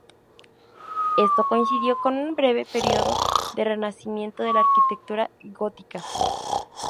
Esto coincidió con un breve período de renacimiento de la arquitectura gótica.